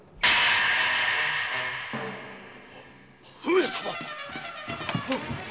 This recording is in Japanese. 上様！